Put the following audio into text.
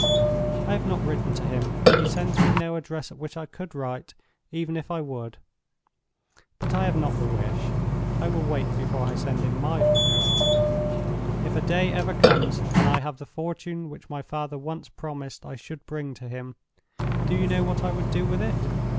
"I have not written to him. He sends me no address at which I could write, even if I would. But I have not the wish. I will wait before I send him my farewell. If a day ever comes when I have the fortune which my father once promised I should bring to him, do you know what I would do with it?